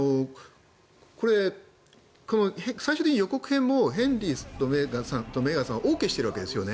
これ、最終的に予告編もヘンリーとメーガンさんはＯＫしているわけですよね。